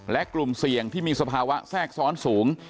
และกลุ่มเสี่ยงที่มีสภาวะแทรกซ้อนสูง